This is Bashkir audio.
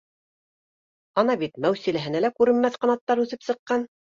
Ана бит, Мәүсиләһенә лә күренмәҫ ҡанаттар үҫеп сыҡҡан